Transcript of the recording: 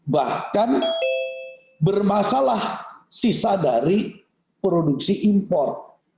bahkan bermasalah sisa dari produksi impor